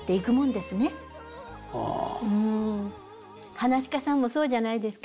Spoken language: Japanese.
噺家さんもそうじゃないですか？